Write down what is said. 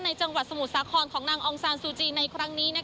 จังหวัดสมุทรสาครของนางองซานซูจีในครั้งนี้